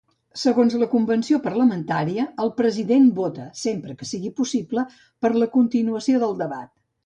Segons la convenció parlamentària, el president vota, sempre que sigui possible, per la continuació del debat.